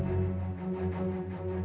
tidak ada pertanyaan